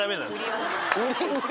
「売り」